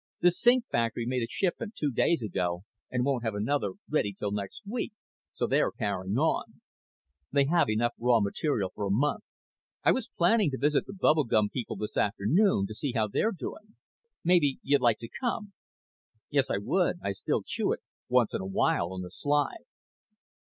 The sink factory made a shipment two days ago and won't have another ready till next week, so they're carrying on. They have enough raw material for a month. I was planning to visit the bubble gum people this afternoon to see how they're doing. Maybe you'd like to come." "Yes, I would. I still chew it once in a while, on the sly."